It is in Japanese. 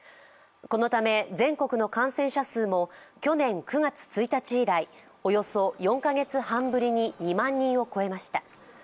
このため全国の感染者数も去年の９月１日以来およそ４カ月半ぶりに２万人を超えました。